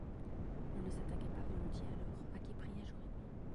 On ne s’attaquait pas volontiers alors à qui priait jour et nuit.